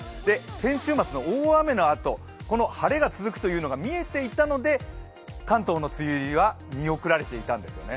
先週末の大雨のあと晴れが続くというのが見えていたので、関東の梅雨入りは見送られていたんですね。